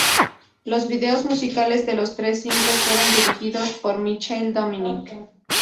Los vídeos musicales de los tres singles fueron dirigidos por Michael Dominic.